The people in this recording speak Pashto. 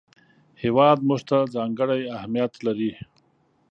هېواد موږ ته ځانګړی اهمیت لري